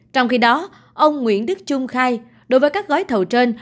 trong khi đó ông nguyễn đức trung khai đối với các gói thầu trên